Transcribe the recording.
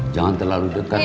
jangan terlalu dekat